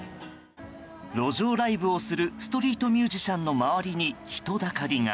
路上ライブをするストリートミュージシャンの周りに人だかりが。